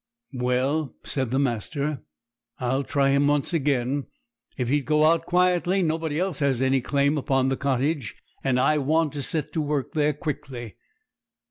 'Well,' said the master, 'I'll try him once again. If he'd go out quietly, nobody else has any claim upon the cottage; and I want to set to work there quickly.'